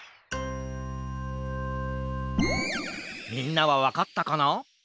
みんなはわかったかな？